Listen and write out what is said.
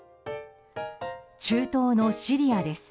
中東のシリアです。